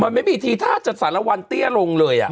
มันไม่มีทีท่าจะสารวันเตี้ยลงเลย